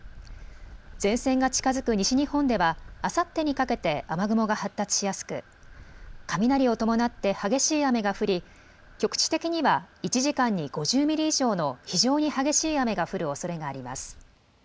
前線が近づく西日本ではあさってにかけて雨雲が発達しやすく雷を伴って激しい雨が降り局地的には１時間に５０ミリ以上の非常に激しい雨が降るおそれがあります。